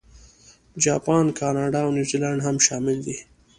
جاپان، کاناډا، او نیوزیلانډ هم شامل دي.